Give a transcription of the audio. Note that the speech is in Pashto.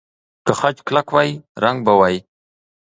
که خج کلک وای، رنګ به وای.